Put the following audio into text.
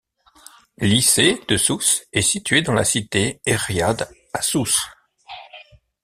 L'Iset de Sousse est situé dans la cité Erriadh à Sousse.